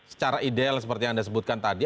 secara ideal seperti yang anda sebutkan tadi